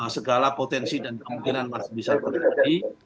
segala potensi dan kemungkinan masih bisa terjadi